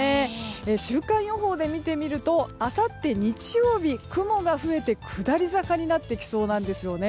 週間予報で見てみるとあさって日曜日雲が増えて下り坂になってきそうなんです。